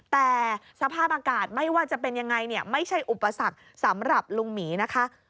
แต่สภาพอากาศไม่ว่าจะเป็นยังไงเนี่ยไม่ใช่อุปสรรคสำหรับลุงหมีนะคะ